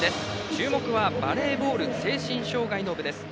注目は、バレーボール精神障害の部です。